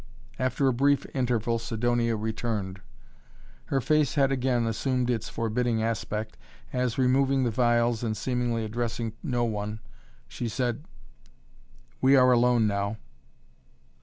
After a brief interval Sidonia returned. Her face had again assumed its forbidding aspect as, removing the phials and seemingly addressing no one, she said: "We are alone now!"